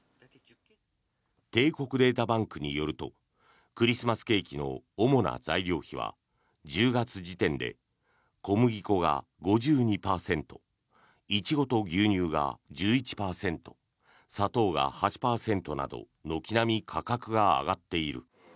帝国データバンクによるとクリスマスケーキの主な材料費は１０月時点で小麦粉が５２％イチゴと牛乳が１１％砂糖が８％など軒並み価格が上がっている。